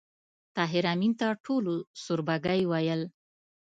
طاهر آمین ته ټولو سوربګی ویل